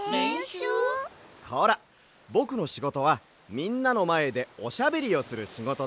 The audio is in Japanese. ほらぼくのしごとはみんなのまえでおしゃべりをするしごとだろ？